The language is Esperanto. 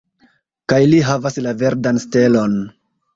Kaj li havas la verdan stelon.